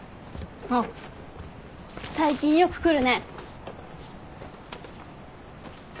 あっ最近よく来るね。